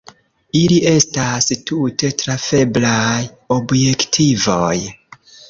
Ili estas tute trafeblaj objektivoj.